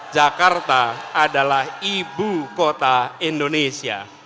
jakarta adalah ibu kota indonesia